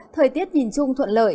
thời tiết nhìn chung thuận lợi